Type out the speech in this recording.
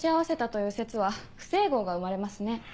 という説は不整合が生まれますね。